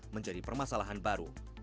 menjadi permasalahan baru